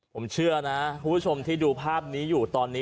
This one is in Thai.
ผมเชื่อนะคุณผู้ชมที่ดูภาพนี้อยู่ตอนนี้